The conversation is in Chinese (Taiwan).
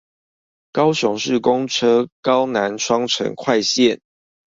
高雄市公車高南雙城快線